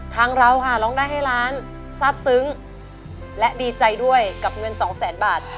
ทางเราค่ะร้องได้ให้ล้านทราบซึ้งและดีใจด้วยกับเงินสองแสนบาท